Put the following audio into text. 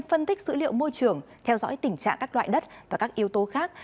phân tích dữ liệu môi trường theo dõi tình trạng các loại đất và các yếu tố khác